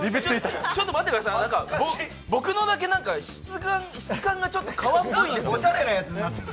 ちょっと待ってください、僕のだけちょっと質感が革っぽいんですよ。